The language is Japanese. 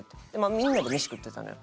みんなで飯食ってたのよ。